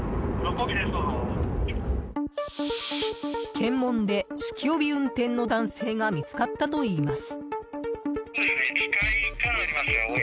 検問で酒気帯び運転の男性が見つかったといいます。